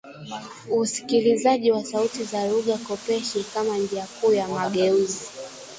usikilizaji wa sauti za lugha kopeshi kama njia kuu ya mageuzi